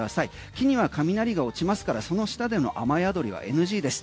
木には雷が落ちますからその下での雨宿りはＮＧです。